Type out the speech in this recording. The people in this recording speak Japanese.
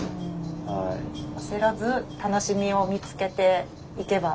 あせらず楽しみを見つけていけば。